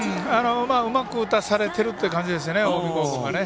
うまく打たされているっていう感じですね、近江が。